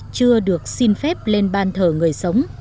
chưa được xin phép lên bàn thờ người sống